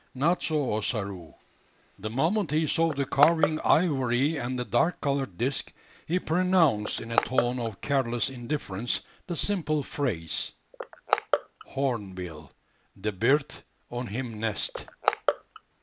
Not so Ossaroo. The moment he saw the carving ivory and the dark coloured disc, he pronounced, in a tone of careless indifference, the simple phrase, "Hornbill de bird on him nest."